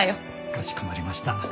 かしこまりました。